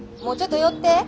もうちょっと寄って。